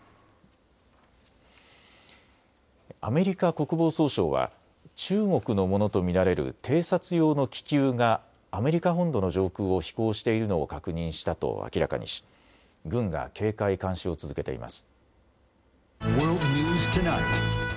アメリカ国防総省は中国のものと見られる偵察用の気球がアメリカ本土の上空を飛行しているのを確認したと明らかにし軍が警戒監視を続けています。